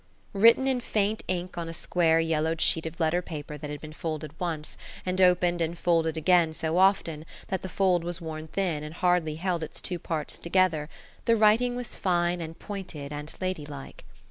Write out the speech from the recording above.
Written in faint ink on a square yellowed sheet of letter paper that had been folded once, and opened and folded again so often that the fold was worn thin and hardly held its two parts together, the writing was fine and pointed and ladylike.